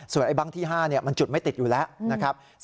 ส่วนไอ้บ้างที่๕เนี่ยมันจุดไม่ติดอยู่แล้วนะครับ